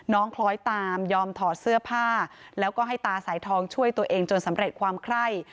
คล้อยตามยอมถอดเสื้อผ้าแล้วก็ให้ตาสายทองช่วยตัวเองจนสำเร็จความไคร่